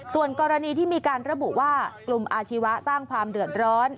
ส่วนกรณีที่มีการระบุว่ากลุ่มอาชีวะสร้างความเดือดร้อน